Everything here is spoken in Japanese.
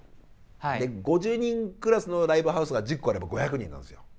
５０人クラスのライブハウスが１０個あれば５００人なんですよ。